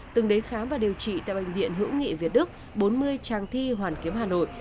từng đến khám và điều trị tại bệnh viện hữu nghị việt đức bốn mươi trang thi hoàn kiếm hà nội